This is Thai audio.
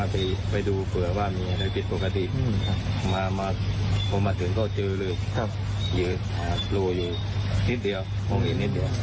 ไปดูเผื่อว่ามีอะไรผิดปกติมาพอมาถึงก็เจอเลยโผล่อยู่นิดเดียวมองอีกนิดเดียว